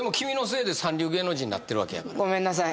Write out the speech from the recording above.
「ごめんなさい」